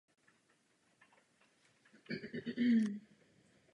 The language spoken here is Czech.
Hrála také Alice Harding v dramatu "Jdi za svým srdcem".